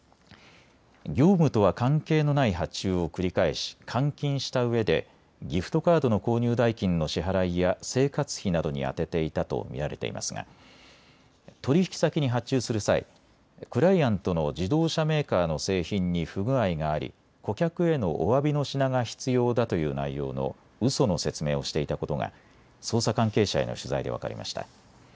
業務とは関係のない発注を繰り返し換金したうえでギフトカードの購入代金の支払いや生活費などに充てていたと見られていますが取引先に発注する際、クライアントの自動車メーカーの製品に不具合があり顧客へのおわびの品が必要だという内容のうその説明をしていたことが捜査関係者への取材で分かりました。